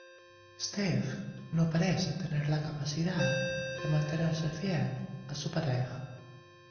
Steve no parece tener la capacidad de mantenerse fiel a su pareja.